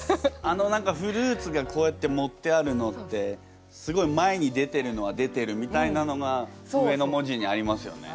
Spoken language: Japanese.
あの何かフルーツがこうやってもってあるのってすごい前に出てるのは出てるみたいなのが上の文字にありますよね。